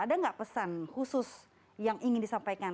ada nggak pesan khusus yang ingin disampaikan